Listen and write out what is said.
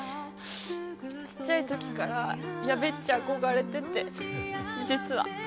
ちっちゃいときから、やべっち憧れてて、実は。